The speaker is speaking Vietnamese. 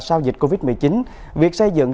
sau dịch covid một mươi chín việc xây dựng